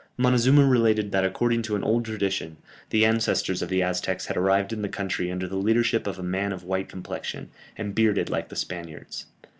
Montezuma related that according to an old tradition, the ancestors of the Aztecs had arrived in the country under the leadership of a man of white complexion, and bearded like the Spaniards.